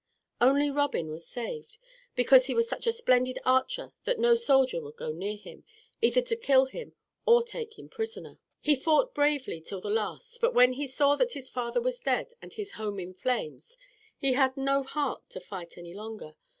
Only Robin was saved, because he was such a splendid archer that no soldier would go near him, either to kill him or take him prisoner. He fought bravely till the last, but when he saw that his father was dead and his home in flames, he had no heart to fight any longer.